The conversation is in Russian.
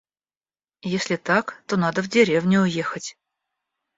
Если так, то надо в деревню уехать.